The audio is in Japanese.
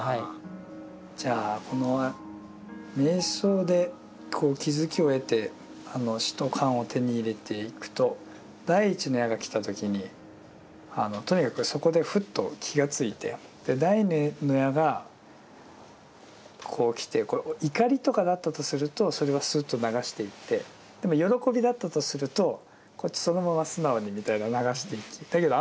じゃあこの瞑想で気づきを得て止と観を手に入れていくと第一の矢が来た時にとにかくそこでふっと気がついて第二の矢が来て怒りとかだったとするとそれはすっと流していってでも喜びだったとするとそのまま素直にみたいな流していきだけど